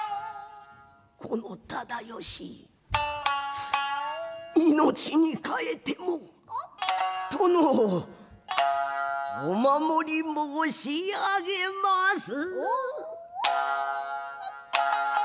この忠吉命に代えても殿をお守り申し上げます」。